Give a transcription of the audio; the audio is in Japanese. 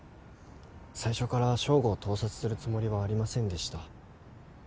最初からＳＨＯＧＯを盗撮するつもりはありませんでした。